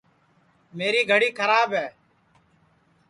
میری گھڑی کھراب ہے